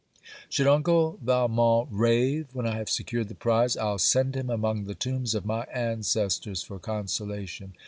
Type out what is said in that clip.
Should Uncle Valmont rave when I have secured the prize, I'll send him among the tombs of my ancestors for consolation.